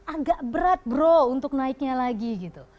agak berat bro untuk naiknya lagi gitu